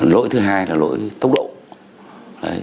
lỗi thứ hai là lỗi tốc độ